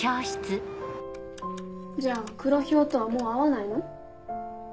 じゃあ黒ヒョウとはもう会わないの？